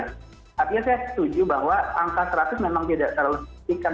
tapi saya setuju bahwa angka seratus memang tidak terlalu sedikit